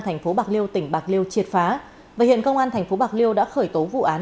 thành phố bạc liêu tỉnh bạc liêu triệt phá và hiện công an thành phố bạc liêu đã khởi tố vụ án